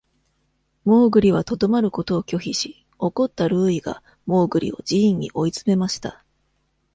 モーグリは留まることを拒否し、怒ったルーイがモーグリを寺院に追い詰めました。